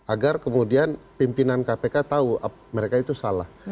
agar kemudian pimpinan kpk tahu mereka itu salah